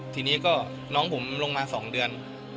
ทีนี้ก็น้องผมลงมา๒เดือน